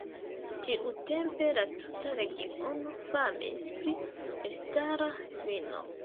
Tiutempe la tuta regiono famis pri elstara vino.